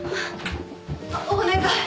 お願い。